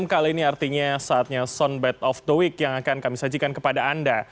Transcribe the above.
kali ini artinya saatnya soundbite of the week yang akan kami sajikan kepada anda